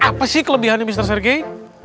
apa sih kelebihannya mister sergei